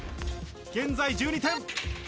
現在１２点。